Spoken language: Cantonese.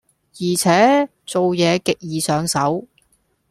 而且做嘢極易上手